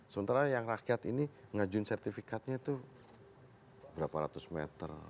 sementara yang rakyat ini ngajuin sertifikatnya itu berapa ratus meter